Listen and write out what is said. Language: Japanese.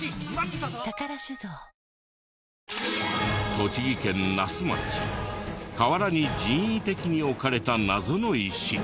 栃木県那須町河原に人為的に置かれた謎の石。